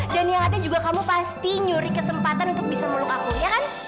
dan yang ada juga kamu pasti nyuri kesempatan untuk bisa meluk aku ya kan